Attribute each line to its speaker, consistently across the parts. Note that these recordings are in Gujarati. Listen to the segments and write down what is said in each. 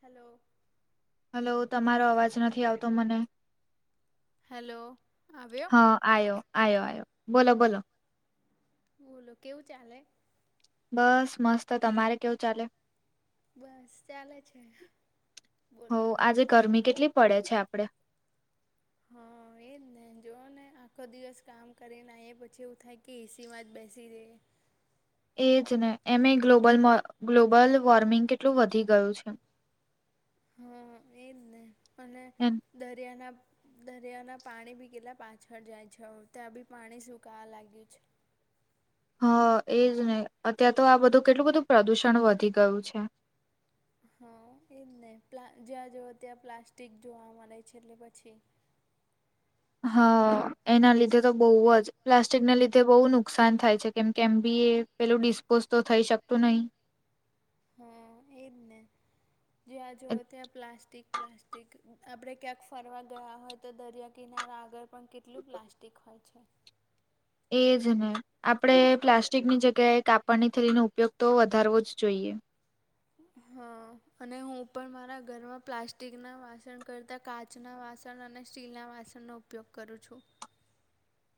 Speaker 1: હલો.
Speaker 2: હલો તમારો અવાજ નથી આવતો મને.
Speaker 1: હેલો આવ્યો.
Speaker 2: હા આયો આયો આયો. બોલો બોલો
Speaker 1: બોલો કેવું ચાલે.
Speaker 2: બસ મસ્ત તમારે કેવું ચાલે.
Speaker 1: બસ ચાલે છે બોલો
Speaker 2: હો
Speaker 1: બોલો.
Speaker 2: આજે ગરમી કેટલી પડે છે આપડે
Speaker 1: હા એજ ને જોઓ ને આખો દિવસ કામ કરીને આઈ એ પછી એવું થાય કે એસીમાં જ બેસી રેયે.
Speaker 2: એજ ને એમેય ગ્લોબલ ગ્લોબલ વોર્મિંગ કેટલું વધી ગયું છે.
Speaker 1: હા એજ ને અને દરિયાના પા દરિયાના પાણી બી કેટલા પાછળ જાય છે ત્યાં બી પાણી સુુંકાવા લાગ્યું છે.
Speaker 2: હ એજ ને અત્યાર તો આ બધું કેટલું બધું પ્રદુષણ વધી ગયું છે.
Speaker 1: હા એજ ને પ્લા જ્યાં જોઓ ત્યાં પ્લાસ્ટિક જોવા મળે છે એટલે પછી
Speaker 2: હા એના લીધે તો બોવ જ પ્લાસ્ટિકના લીધે બહુ નુકસાન થાય છે કેમ કે એમ બી એ પેલું ડિસ્પોઝ તો થઈ શકતું નહી.
Speaker 1: હા એજ ને જ્યાં જુઓ ત્યાં પ્લાસ્ટિક. પ્લાસ્ટિક આપણે ક્યાંક ફરવા ગયા હોય તો દરિયા કિનારા આગળ પણ કેટલું પ્લાસ્ટિક હોય છે.
Speaker 2: એજ ને. આપણે પ્લાસ્ટિકની જગ્યાએ કાપડની થલીનો ઉપયોગ તો વધારવો જ જોઈએ.
Speaker 1: હ અને હું પણ મારા ઘરમાં પ્લાસ્ટિકના વાસણ કરતા કાચ ના વાસણ અને સ્ટીલનાં વાસણનો ઉપયોગ કરું છું.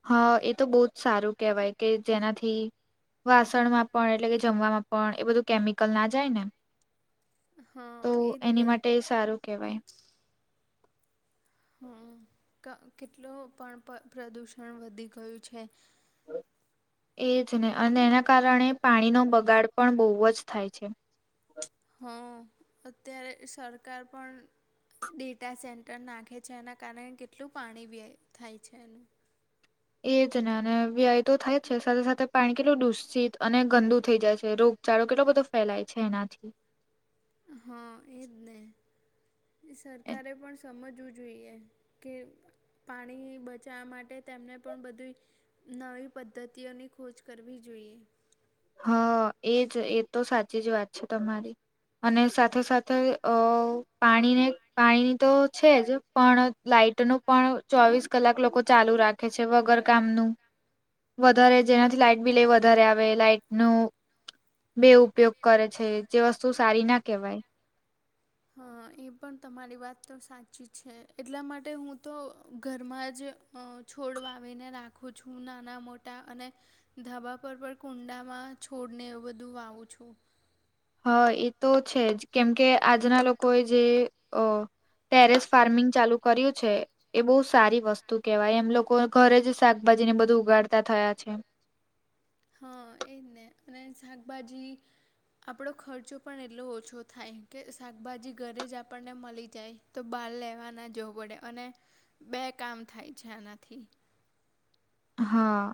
Speaker 2: હા એ તો બોવ જ સારું કેહેવાય કે જેનાથી વાસણમાં પણ એટલે કે જમવામાં પણ એ બધું કેમિકલ ના જાય ને તો
Speaker 1: હા એજ
Speaker 2: એની
Speaker 1: ને
Speaker 2: માટે સારું કહેવાય.
Speaker 1: હમ કેટલું પણ પ્રદુષણ વધી ગયું છે.
Speaker 2: એજ ને અને એના કારણે પાણીનો બગાડ પણ બોવ જ થાય છે.
Speaker 1: હા અત્યારે સરકાર પણ ડેટા સેન્ટર નાખે છે એના કારણે કેટલું પાણી થાય છે.
Speaker 2: એજ ને અને વ્યાય તો થાય જ છે સાથે સાથે પાણી કેટલું દુષિત અને ગંદુ થઈ જાય છે રોગ ચારો કેટલો બધો ફેલાય છે એનાથી.
Speaker 1: હા એજ ને સરકારે પણ સમજવું જોઈએ કે પાણી બચાવવા માટે તેમને પણ બધું નવી પદ્ધતિઓની ખોજ કરવી જોઈએ.
Speaker 2: હા એજ એ તો સાચી જ વાત છે તમારી અને સાથે સાથે અ પાણીને પાણીની તો છે જ પણ લાાઈટ નું પણ ચોવીસ કલાક લોકો ચાલુ રાખે છે વગર કામનું વધારે જેનાથી લાાઈટ બિલે વધારે આવે લાઈટ નું બે ઉપયોગ કરે છે જે વસ્તુ સારી ના કહેવાય
Speaker 1: હા એ પણ તમારી વાત તો સાચી છે એટલા માટે હું તો ઘરમાં જ છોડ વાવીને રાખું છું નાના મોટા અને ધબા પર પણ કુંડામાં છોડને એવું બધું વાવું છું.
Speaker 2: હા એ તો છે જ કેમકે આજના લોકો એ જે અ ટેરેસ ફાર્મિંગ ચાલુ કર્યું છે એ બહુ સારી વસ્તુ કેહેવાય એમ લોકો ઘરે જ શાકભાજી ને બધું ઉગાડતા થયા છે.
Speaker 1: હા એજ ને અને શાકભાજી આપણો ખર્ચો પણ એટલો ઓછો થાય કે શાકભાજી ઘરે જ આપણને મળી જાય તો બહાર લેવા ના જવું પડે અને બે કામ થાય છે આનાથી
Speaker 2: હા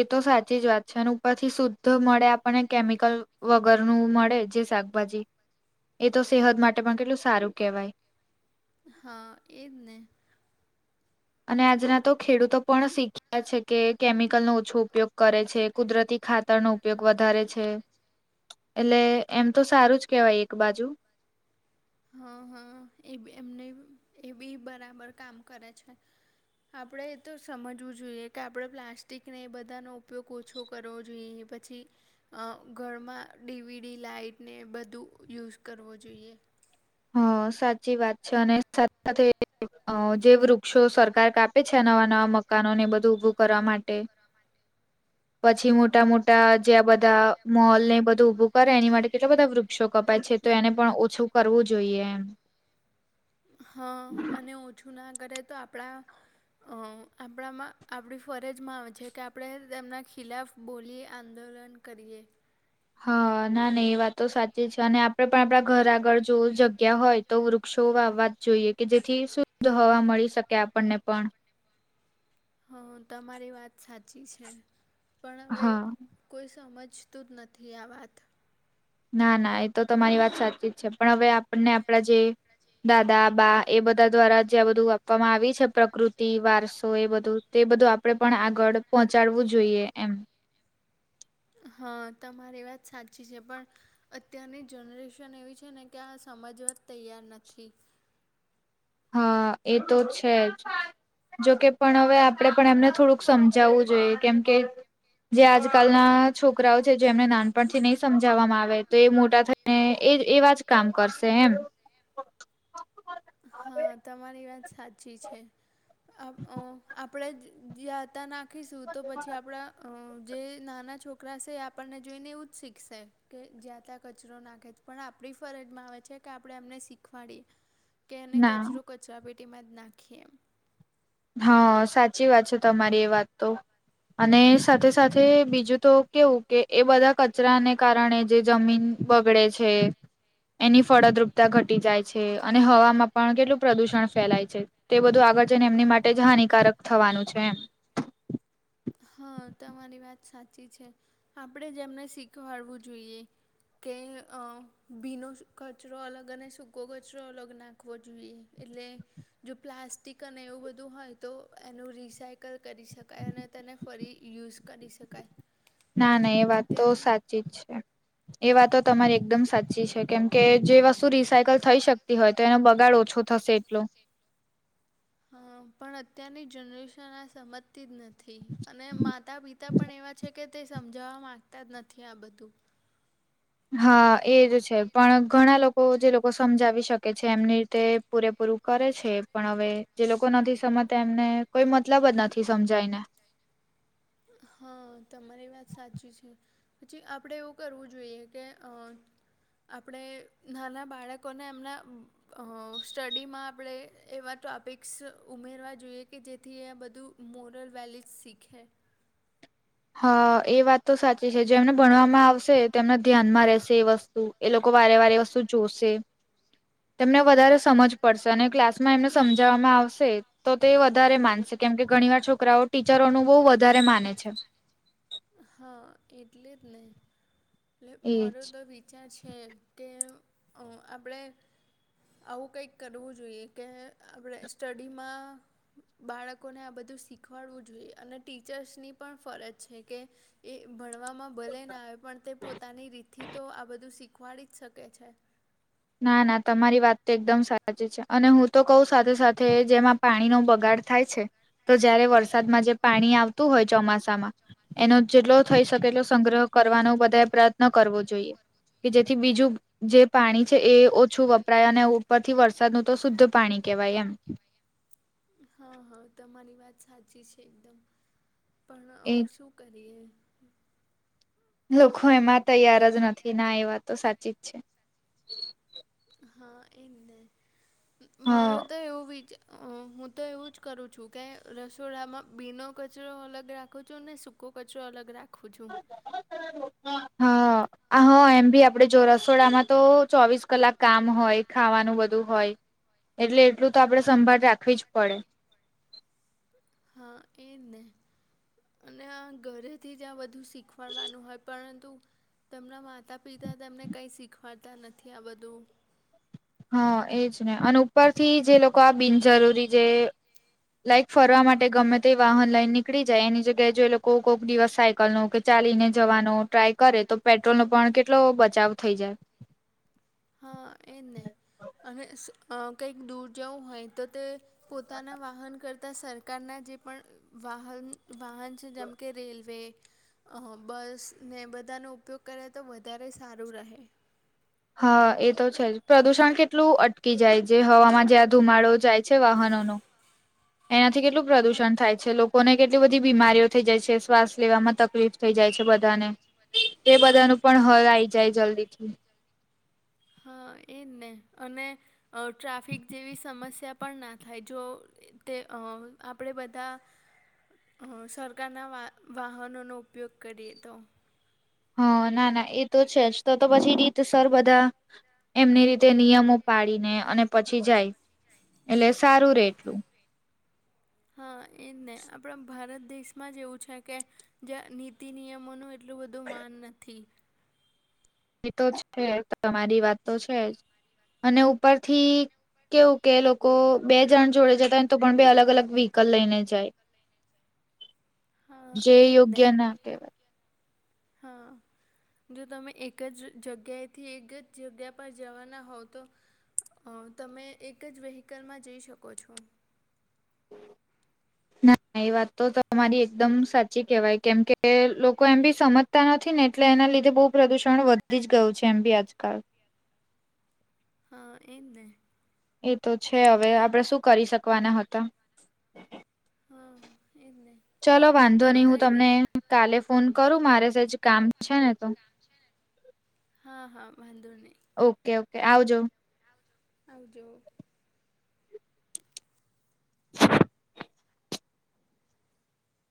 Speaker 2: એ તો સાચી જ વાત છે અને ઉપરથી શુદ્ધ મળે આપણને કેમિકલ વગરનું મળે જે શા શાકભાજી એ તો સેહત માટે પણ કેટલું સારું કેહેવાય
Speaker 1: હા એજ ને
Speaker 2: અને આજના તો ખેડૂતો પણ શીખ્યા છે કે કેમિકલનોો ઓછો ઉપયોગ કરે છે કુદરતી ખાતરનો ઉપયોગ વધારે છે. એટલે એમ તો સારું જ કેવાય એક બાજુ
Speaker 1: હા હા એ બી એમને એ બી બરાબર કામ કરે છે. આપણે એ તો સમજવું જોઈએ કે આપણે પ્લાસ્ટિકને એ બધાનો ઉપયોગ ઓછો કરવો જોઈએ પછી ઘરમાં ડીવીડી લાાઈટને બધું યુઝ કરવો જોઈએ
Speaker 2: હ સાચી વાત છે અને સાથે સાથે જે વૃક્ષો સરકાર કાપે છે નવા નવા મકાનો ને બધું ઉભું કરવા માટે પછી મો મોટા મોટા જે આ બધા મોલ ને એ બધું ઉભું કરે એની માટે કેટલા બધા વૃક્ષો કપાય છે તો એને પણ ઓછું કરવું જો
Speaker 1: હા અને ઓછું ના કરે તો આપણા અ આપણામાં આપણી ફરજમાં આવે છે કે આપણે તેમના ખિલાફ બોલીએ આંદોલન કરીએ
Speaker 2: હા ના ના એ વાત તો સાચી છે અને આપડે પણ આપડા ઘર આગળ જોવું જગ્યા જગ્યા હોય તો વૃક્ષો વાવવા જોઈએ કે જેથી સૃધ હવા મળી શકે આપણને પણ
Speaker 1: હા તમારી વાત સાચી છે પણ હવે
Speaker 2: હા
Speaker 1: કોઈ સમજતું જ નથી આ વાત
Speaker 2: ના ના એ તો તમારી વાત સાચી જ છે પણ હવે આપણને આપણા જે દાદા બા એ બધા દ્વારા જે બધું આપવામાં આવી છે પ્રકૃતિ વારસો એ બધું તો એ બધું આપણે પણ આગળ પહોંચાડવું જોઈએ એમ
Speaker 1: હા તમારી વાત સાચી છે પણ અત્યારની જનરેશન એવી છે ને કે આ સમજવા તૈયાર નથી
Speaker 2: હા એ તો છે જ જોકે પણ હવે આપડે પણ એમને થોડુંક સમજાવવું જોઈએ કેમ કે જે આજકાલના છોકરાઓ છે જેમને નાનપણથી નહી સમજાવવામાં આવે તો એ મોટા થાય ને એજ એવા જ કામ કરશે એમ
Speaker 1: હા તમારી વાત સાચી છે આપ અ આપ આપડે જ જ્યાં ત્યાં નાખીશું તો પછી આપડા જે નાના છોકરા સે આપણને જોઈને એવું જ શીખશે કે જ્યા ત્યાં કચરો નાખે છે પણ આપણી ફરજ માં આવે છે કે આપણે એમને શીખવાડીએ કે એને
Speaker 2: ના
Speaker 1: કચરો કચરા પેટીમાં જ નાખીએ એમ
Speaker 2: હા સાચી વાત છે તમારી એ વાત તો અને સાથે સાથે બીજું તો કેવું કે એ બધા કચરાને કારણે જે જમીન બગડે છે એની ફળદ્રુપતા ઘટી જાય છ છે અને હવામાં પણ કેટલું પ્રદુષણ ફેલાય છે તે બધું આગળ જઈને એમની માટ ટે જ હાનિકારક થવાનું છે એમ.
Speaker 1: હા તમારી વાત સાચી છે આપડે જ એમને શીખવાડવું જોઈએ. કે અ ભીનો કચરો અલગ અને સૂકો કચરો અલગ નાખવો જુઈએ. એટલે જો પ્લાસ્ટિક અને એવું બધું હોય તો એનું રિસાયકલ કરી શકાય અને તેને ફરી યુઝ કરી શકાય
Speaker 2: ના
Speaker 1: પણ
Speaker 2: ના એ વાત તો
Speaker 1: અત્યારની
Speaker 2: સાચી જ છે એ વાતો
Speaker 1: હા
Speaker 2: તમારી એકદમ સાચી છે કેમ કે જે વસ્તુ રિસાયકલ થઈ શકતી હોય તો એનો બગાડ ઓછો થશે એટલો
Speaker 1: હ પણ અત્યારની જનરેશન આ સમજતી જ નથ થી અને માતા પિતા પણ એવા છે કે તે સમજાવવા માંગતા જ નથી આ બધું
Speaker 2: હા એજ છે પણ ઘણા લોકો જે લોકો સમજાવી શકે છે એમની રીતે પૂરેપૂરું કરે છે પણ હવે જે લોકો નથી સમજતા એમને કોઈ મતલબ જ નથી સમજાયને
Speaker 1: હા તમારી વાત સાચી છે. પછી આપણે એવું કરવું જોઈએ કે અ આપડે નાના બાળકોને એમના અ સ્ટડીમાં આપડે એવા ટોપિક્સ ઉમેરવા જોઈએ કે જેથી બધું મોરલ વેલિડ્સ સીખે
Speaker 2: હા એ વાત તો સાચી છે જેમને ભણવામાં આવશે તેમના ધ્યાનમાં રહેશે એ વસ્તુ એ લોકો વારે વારે એ વસ્તુ જોસે તેમને વધારે સમજ પડશે અને ક્લાસમાં એમને સમજાવવામાં આવશે તો તે વધારે માનશે કેમકે ઘણીવાર છોકરાઓ ટીચરોનું બહુ વધારે માને છે.
Speaker 1: હા એટલે જ ને એટલે
Speaker 2: એજ
Speaker 1: મારો તો વિ ખ્યા છે કે અ આપડે આવું કંઈક કરવું જોઈએ કે આપડે સ્ટડીમાં બાળકોને આ બધું શીખવાડવું જોઈએ અને ટીચર્સ ની પણ ફરજ છે. કે એ ભણવામાં ભલે ના આવે પણ તે પોતાની રીતથી તો આ બધું શીખ ખવાડી જ શકે છે.
Speaker 2: ના ના તમારી વાત તો એકદમ સાચી છે અને હું તો કઉ સાથે સાથે જેમાં પાણીનો બગાડ થાય છે તો જયારે વરસાદમાં જે પાણી આવતું હોય ચોમાસામાં એનો જેટલો થઈ શકેલો સંગ્રહ કરવાનો બધા પ્રયત્ન કરવો જોઈએ કે જેથી બીજું જે પાણી છે એ ઓછું વપરાય અને ઉપરથી વરસાદનું તો શુદ્ધ પાણી કેવાય એમ.
Speaker 1: હા હા તમારી વાત સાચી છે એકદમ પણ
Speaker 2: એજ
Speaker 1: શું કરીએ
Speaker 2: લોકો એમાં તૈયાર જ નથી ના એ વાતતો સાચી જ છે.
Speaker 1: હા એ જ ને
Speaker 2: હા.
Speaker 1: મારો તો એવું વિચા હું તો એવું જ કરું છું કે રસોડામાં ભીનો કચરો અલગ રાખું છું ને સુક કો કચરો અલગ રાખું છું.
Speaker 2: [unintelligible] હા હ એમ ભી આપડે જો રસોડામાં તો ચોવીસ કલાક કામ હોય. ખાવાનું બધું હોય એટલે એટલું તો આપડે સંભાળ રાખવી જ પડે.
Speaker 1: હા એને. અને આ ઘરેથી જ આ બધું શીખવાડવાનું હોય પરંતુ, તેમના માતા પિતા તમને કંઈ શીખવાડતા નથી આ બધું.
Speaker 2: હા એજ ને અને ઉપરથી જે લોકો આ બિનજરૂરી જે લાઈક ફરવા માટે ગમે તે વાહન લાઈન ને નીકળી જાય એની જગ્યાએ જો એ લોકો કોઈક દિવસ સાયકલ નો ચાલીને જવાનો ટ્રાય કરે તો પેટ્રોલ નો પણ કેટલો બચાવ થઈ જાય.
Speaker 1: હા એ જ ને અને કંઈક દૂર જવું હોય તો તે પોતાના વાહન કરતા સરકારના જે પણ, વાહન વાહન છે જેમ કે રેલવે, બસ ને બધાનો ઉપયોગ કરે તો વધારે સારું રહે.
Speaker 2: હા એ તો છે જ પ્રદુષણ કેટલું અટકી જાય જે હવામાં જ ધુમાડો જાય છે વાહનો ન એનાથી કેટલું
Speaker 1: હા
Speaker 2: પ્રદુષણ થાય. છે લોકોને કેટલી બધી બીમારીઓ થઈ જાય છે શ્વાસ લેવામાં તકલીફ થઈ જાય છે બધાને. એ બધા ન પણ હલ આઈ જાય જલ્દી થી.
Speaker 1: હા એજ ને અને, અ ટ્રાફિક જેવી સમસ્યા પણ ના થાય જો તે આપણેે બધા,
Speaker 2: [inaudible]
Speaker 1: હ સરકારના વા વાહનોનો ઉપયોગ કરીએ તો
Speaker 2: હા ના ના એ તો છે જ તો તો પછી રીત સર બધા એમની રીતે નિયમો પાડીને અને પછી જાય એટલે સારું રે એટલું. [inaudible]
Speaker 1: હા એજ ને આપણા ભારત દેશમાં જ એવું છે કે જે નીતિ નિયમોનું એટલું બધું માન નથી.
Speaker 2: તો છે તમારી વાત તો છે જ અને ઉપરથી, કેવું કે લોકો બે જણ જોડે જતા ને તો પણ બે અલગ અલગ વ્હીકલ લઈને જાય.
Speaker 1: હા
Speaker 2: જે
Speaker 1: એ જ ને
Speaker 2: યોગ્ય ના કહેવાય.
Speaker 1: હા. જો તમે એક જ જગ્યાએથી એક જ જગ્યા પર જવાના હોવ તો તમે એક જ વ્હીકલમાં જઈ શકો છો.
Speaker 2: ના એ વાત તો તમારી એકદમ સાચી કેહેવાય કેમ કે કે લોકો એમ બી સમજતા નથી ને એટલે એના લીધે બહુ પ્રદુષણ વધી જ ગયું છે એમ બી આજકાલ.
Speaker 1: હા એને
Speaker 2: એ તો છે હવે આપણેે શું કરી શકવાના હતા.
Speaker 1: હા. એમને.
Speaker 2: ચલો વાંધો નહી હું તમને કાલે ફોન કરું મારેજ કામ છે ને તો
Speaker 1: હા હા વાંધો નહી.
Speaker 2: ઓકે ઓકે આવજો.
Speaker 1: આવજો.